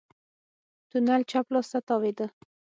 تونل چپ لاس ته تاوېده.